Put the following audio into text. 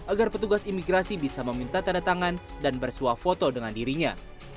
agar petugas imigrasi bisa meminta tanda tangan dan bersuah foto dengan dirinya